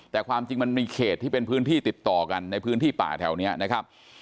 แต่ความจริงมันมีเขตที่เป็นพื้นที่ติดต่อกันในพื้นที่ป่าแถวนี้นะครับ